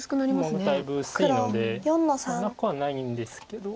なくはないんですけど。